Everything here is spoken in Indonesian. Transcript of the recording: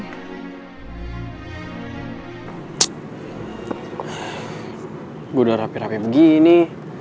gue udah rapi rapi begini